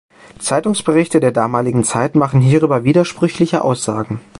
Zeitungsberichte der damaligen Zeit machen hierüber widersprüchliche Aussagen.